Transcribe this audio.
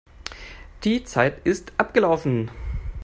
Die Zeit ist abgelaufen.